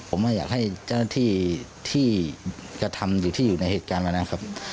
ผมว่าอยากให้เจ้าหน้าที่ที่กระทำอยู่ที่อยู่ในเหตุการณ์วันนั้นครับ